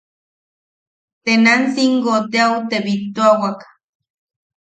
Tenancingo teau te bittuawak.